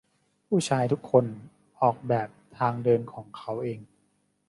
ผู้ชายทุกคนออกแบบทางเดินของเขาเอง